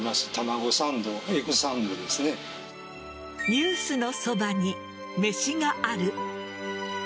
「ニュースのそばに、めしがある。」